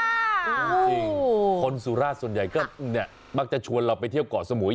จริงคนสุราชส่วนใหญ่ก็มักจะชวนเราไปเที่ยวเกาะสมุย